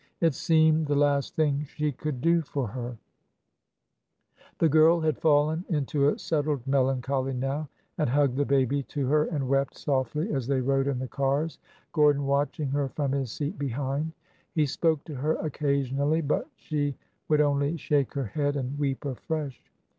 It seemed the last thing she could do for her. 344 ORDER NO, 11 The girl had fallen into a settled melancholy now, and hugged the baby to her and wept softly as they rode in the cars, Gordon watching her from his seat behind. He spoke to her occasionally, but she would only shake her head and weep afresh.